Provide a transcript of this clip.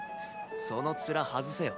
そのツラ外せよ。